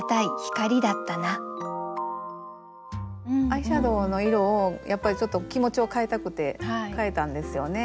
アイシャドーの色をやっぱりちょっと気持ちを変えたくてかえたんですよね。